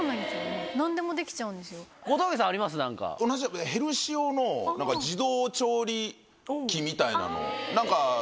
同じヘルシオの自動調理器みたいなの。